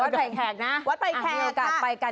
วัดไพรแขกนะวัดไพรแขก